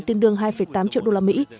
tương đương hai tám triệu đô la mỹ